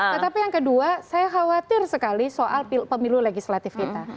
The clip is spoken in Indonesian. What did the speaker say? tetapi yang kedua saya khawatir sekali soal pemilu legislatif kita